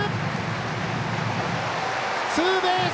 ツーベース！